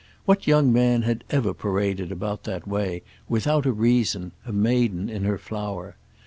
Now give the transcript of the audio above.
What young man had ever paraded about that way, without a reason, a maiden in her flower?